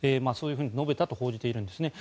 そういうふうに述べたと報じているんです。